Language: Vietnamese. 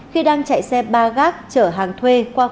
khi đang chạy xe ba gác chở hàng thuê qua khu bà giang